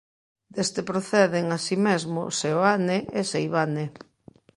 Deste proceden, así mesmo, Seoane e Seivane.